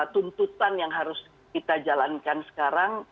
tuntutan yang harus kita jalankan sekarang